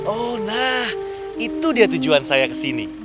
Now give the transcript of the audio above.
oh nah itu dia tujuan saya kesini